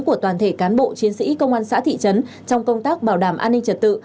của toàn thể cán bộ chiến sĩ công an xã thị trấn trong công tác bảo đảm an ninh trật tự